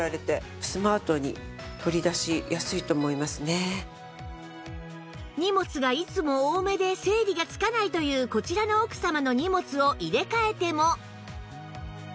そこで荷物がいつも多めで整理がつかないというこちらの奥様の荷物を入れ替えても